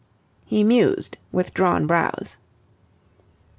He mused with drawn brows.